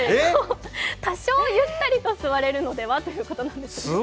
多少、ゆったりと座れるのでは？ということです。